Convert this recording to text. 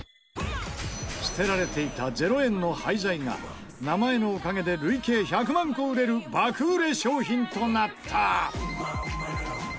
捨てられていた０円の廃材が名前のおかげで累計１００万個売れる爆売れ商品となった！